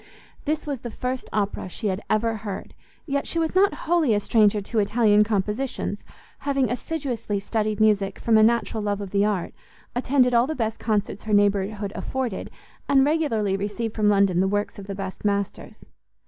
This was the first Opera she had ever heard, yet she was not wholly a stranger to Italian compositions, having assiduously studied music from a natural love of the art, attended all the best concerts her neighbourhood afforded, and regularly received from London the works of the best masters.